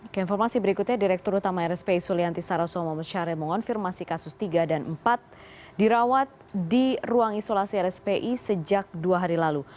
keinformasi berikutnya direktur utama rspi sulianti saroso muhammad syarif mengonfirmasi kasus tiga dan empat dirawat di ruang isolasi rspi sejak dua hari lalu